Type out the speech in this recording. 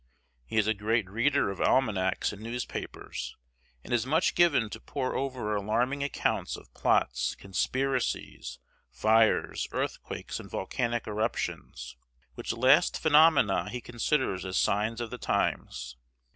He is a great reader of almanacs and newspapers, and is much given to pore over alarming accounts of plots, conspiracies, fires, earthquakes, and volcanic eruptions; which last phenomena he considers as signs of the times.